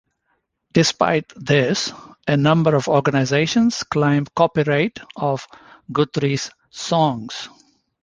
Despite this, a number of organisations claim copyright of Guthrie's songs.